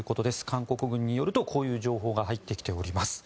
韓国軍によると、こういう情報が入ってきております。